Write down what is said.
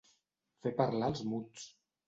Fer parlar els muts.